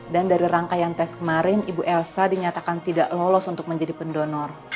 dan dari rangkaian tes kemarin ibu elsa dinyatakan tidak lolos untuk menjadi pendonor